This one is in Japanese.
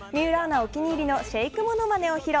お気に入りのシェイクモノマネを披露。